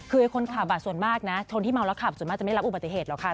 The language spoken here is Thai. คือคนขับส่วนมากนะคนที่เมาแล้วขับส่วนมากจะไม่รับอุบัติเหตุหรอกค่ะ